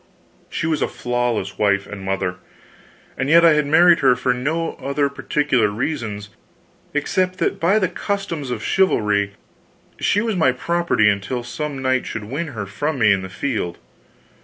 She was a flawless wife and mother; and yet I had married her for no other particular reasons, except that by the customs of chivalry she was my property until some knight should win her from me in the field.